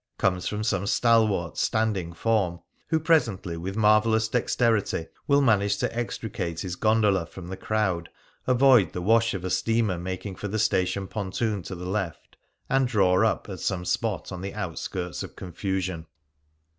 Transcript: "" comes from some stalwart standing form, who presently, with marvellous dexterity, will manage to extricate his gondola from the crowd, avoid the wash of a steamer making for the station pontoon to the left, and draw up at some spot on the outskirts of confusion.